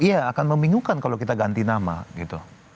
iya akan membingungkan kalau kita ganti nama gitu